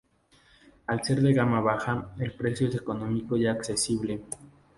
Al ser de gama baja, el precio es económico y accesible.